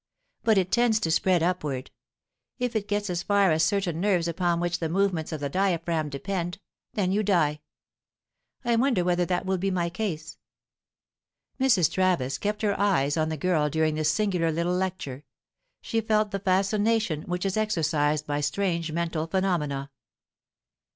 But it tends to spread upward. If it gets as far as certain nerves upon which the movements of the diaphragm depend, then you die. I wonder whether that will be my case?" Mrs. Travis kept her eyes on the girl during this singular little lecture; she felt the fascination which is exercised by strange mental phenomena.